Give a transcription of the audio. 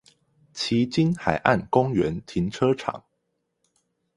旗津海岸公園停車場